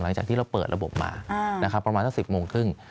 หลังจากที่เราเปิดระบบมานะครับประมาณสัก๑๐โมงครึ่ง